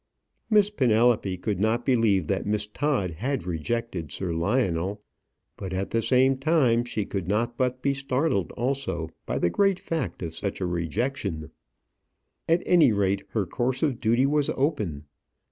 Miss Penelope could not believe that Miss Todd had rejected Sir Lionel; but at the same time she could not but be startled also by the great fact of such a rejection. At any rate her course of duty was open.